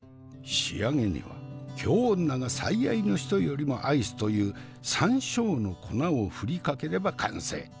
仕上げには京女が最愛の人よりも愛すという山椒の粉を振りかければ完成。